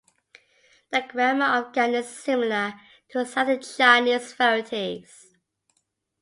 The grammar of Gan is similar to southern Chinese varieties.